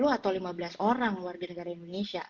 atau lima belas orang luar negara indonesia